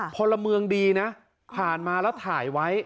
พลเมืองดีนะผ่านมาแล้วถ่ายไว้